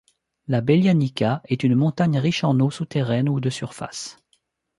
La Beljanica est une montagne riche en eau, souterraines ou de surface.